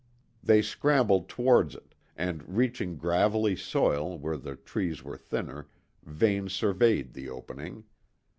They scrambled towards it, and reaching gravelly soil, where the trees were thinner, Vane surveyed the opening.